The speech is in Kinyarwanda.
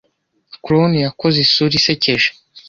Clown yakoze isura isekeje.